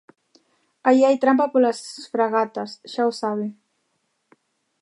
Aí hai trampa polas fragatas, xa o sabe.